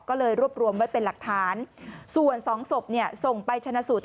ก็เลยรวบรวมไว้เป็นหลักฐานส่วนสองศพเนี่ยส่งไปชนะสูตร